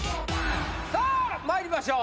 さあまいりましょう！